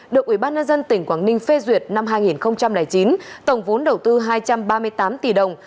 được ubnd tỉnh quảng ninh phê duyệt năm hai nghìn chín tổng vốn đầu tư hai trăm ba mươi tám tỷ đồng